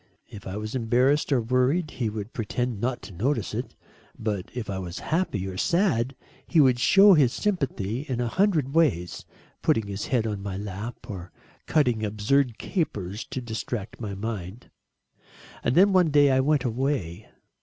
If I was embarrassed, or worried, he would pretend not to notice it, but if I was happy, or sad, he would show his sympathy in a hundred ways putting his head on my lap, or cutting absurd capers to distract my mind. And then one day I went away.